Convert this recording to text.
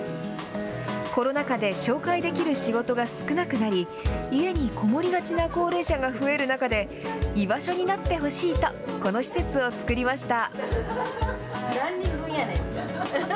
コロナ禍で、紹介できる仕事が少なくなり、家にこもりがちな高齢者が増える中で、居場所になってほしいとこの施設を作りました。